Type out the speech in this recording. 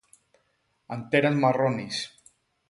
Anteras marrones.